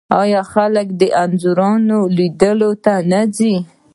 آیا خلک د انځورونو لیدلو ته نه ځي؟